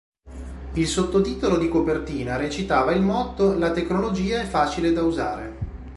Il sottotitolo di copertina recitava il motto "la tecnologia è facile da usare".